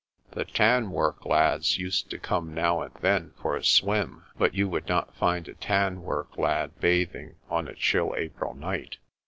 The tan work lads used to come now and then for a swim, but you would not find a tan work lad bathing on a chill April night.